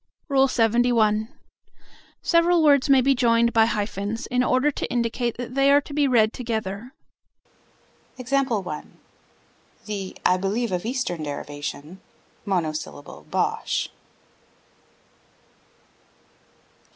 LXXI. Several words may be joined by hyphens, in order to indicate that they are to be read together. The I believe of Eastern derivation monosyllable "Bosh."